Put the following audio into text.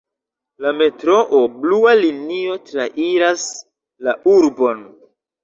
La metroo "Blua Linio" trairas la urbon.